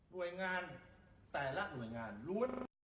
หน่วยงานแต่ละหน่วยงานล้วน